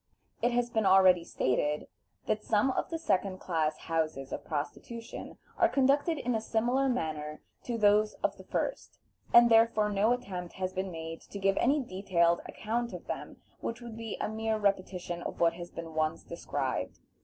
It has been already stated that some of the second class houses of prostitution are conducted in a similar manner to those of the first, and therefore no attempt has been made to give any detailed account of them, which would be a mere repetition of what has been once described.